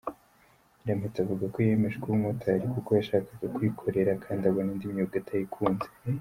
Nyirampeta avuga ko yiyemeje kuba umumotari, kuko yashakaga kwikorera kandi abona indi myuga atayikunze.